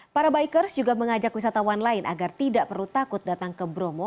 para bikers juga mengajak wisatawan lain agar tidak perlu takut datang ke bromo